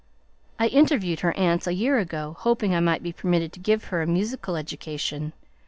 I interviewed her aunts a year ago, hoping I might be permitted to give her a musical education.